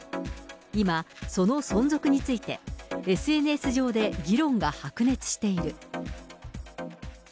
今、その存続について、ＳＮＳ上で議論が白熱している。